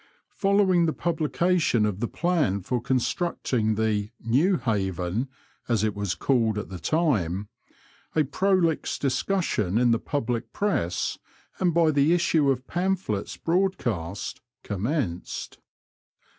Following the publication of the plan for constructing the " New Haven,'' as it was called at the time, a prolix discussion in the public Press, and by the issue of pamphlets broadcast, commenced.